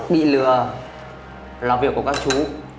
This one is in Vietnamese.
bị lừa là việc của các chú